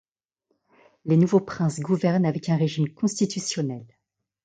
Les nouveaux princes gouvernent avec un régime constitutionnel.